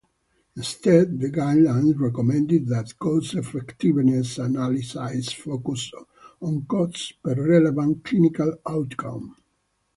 Instead, the guidelines recommended that cost-effectiveness analyses focus on costs per relevant clinical outcome.